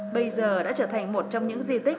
bây giờ đã trở thành một trong những di tích